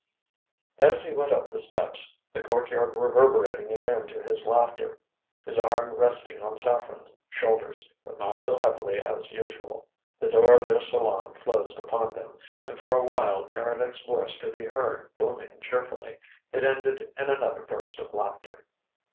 As he went up the steps, the courtyard reverberating again to his laughter, his arm resting on Saffren's shoulders, but not so heavily as usual. The door of their salon closed upon them, and for a while Keredec's voice could be heard booming cheerfully; it ended in another burst of laughter.